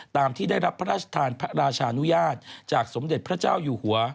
ตามที่ได้รับพระราชทานพระราชานุญาตจากสมเด็จพระเจ้าอยู่หัว